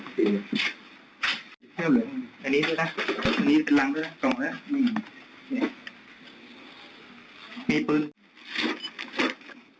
อันนี้ดูนะ